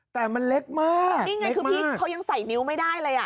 แต่มันเล็กมากนี่ไงคือพี่เขายังใส่นิ้วไม่ได้เลยอ่ะ